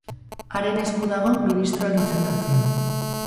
Haren esku dago ministroak izendatzea.